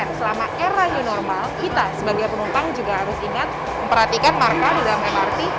kita sebagai penumpang juga harus ingat memperhatikan marka di dalam mrt